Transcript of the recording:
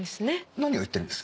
何を言ってるんです？